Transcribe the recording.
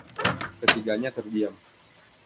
Ketiganya terdiam.